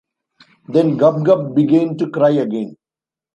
Then Gub-Gub began to cry again.